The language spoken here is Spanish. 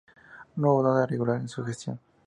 No hubo nada de irregular en su gestión.